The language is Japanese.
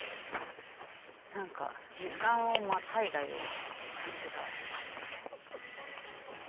なんか、時間をまたいだような感じがありますね。